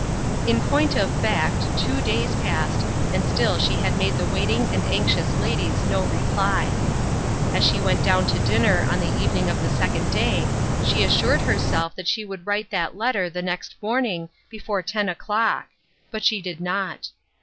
In point of fact, two days passed, and still she had made the waiting and anxious ladies no reply. As she went down to dinner on the evening of the second day, she assured herself that she would write that letter the next morning before ten o'clock; but she did not.